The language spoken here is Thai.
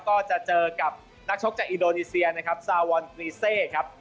ก็จะเจอกับนักชกจากอินโดนีเซียนะครับซาวอนตรีเซครับ